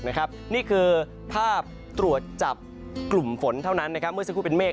นี่คือภาพตรวจจับกลุ่มฝนเท่านั้นเมื่อสักครู่เป็นเมฆ